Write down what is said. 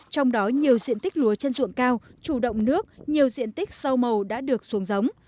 trong đó nhiều diện tích lúa trên ruộng cao chủ động nước nhiều diện tích rau màu đã được xuống giống